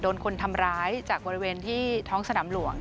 โดนคนทำร้ายจากบริเวณที่ท้องสนามหลวง